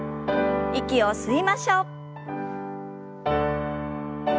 息を吸いましょう。